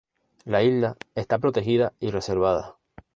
La isla está protegida y reservada.